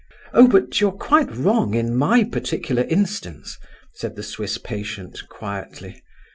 "Oh, but you're quite wrong in my particular instance," said the Swiss patient, quietly.